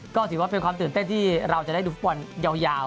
ก็ถือว่าเป็นความตื่นเต้นที่เราจะได้ดูฟุตบอลยาว